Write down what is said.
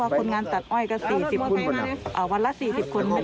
ว่าคนงานตัดอ้อยก็สี่สิบอ่าวันละสี่สิบคนไม่ดำค่ะ